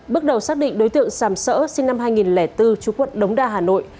bước đầu xác định đối tượng sàm sỡ sinh năm hai nghìn bốn chú quận đống đa hà nội